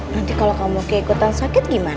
nanti kalau kamu keikutan sakit gimana